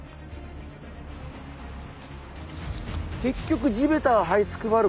結局地べたをはいつくばる